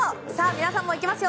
皆さんも行きますよ。